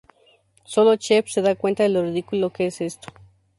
Solo Chef se da cuenta de lo ridículo que es esto.